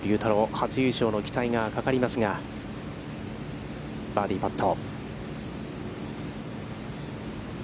初優勝の期待がかかりますが、バーディーパット。